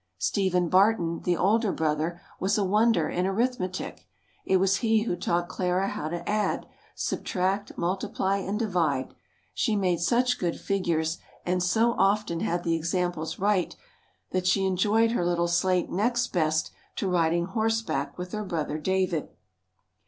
Stephen Barton, the older brother, was a wonder in arithmetic. It was he who taught Clara how to add, subtract, multiply, and divide. She made such good figures and so often had the examples right that she enjoyed her little slate next best to riding horseback with her brother David.